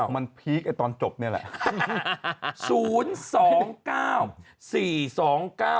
มันพีคตอนจบนี่แหละ